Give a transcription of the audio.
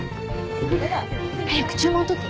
早く注文取って。